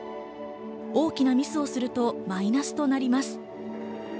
大きなミスをすると、マイナスとなります。